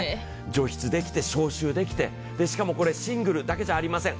除湿できて消臭できて、しかもこられシングルだけじゃありません。